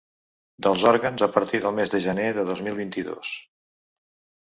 Dels òrgans a partir del mes de gener de dos mil vint-i-dos.